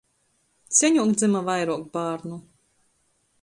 Seņuok dzyma vairuok bārnu.